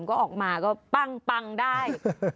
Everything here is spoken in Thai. ก็ออกมาก็ปั้งได้